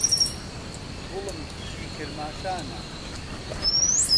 گوڵم کیژی کرماشانا